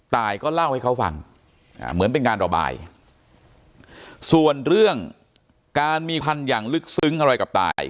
ตายก็เล่าให้เขาฟังเหมือนเป็นการระบายส่วนเรื่องการมีพันธุ์อย่างลึกซึ้งอะไรกับตาย